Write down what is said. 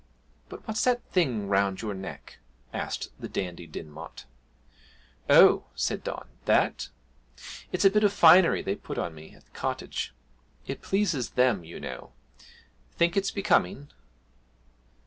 'But what's that thing round your neck?' asked the Dandie Dinmont. 'Oh,' said Don, 'that? It's a bit of finery they put on me at the cottage. It pleases them, you know. Think it's becoming?'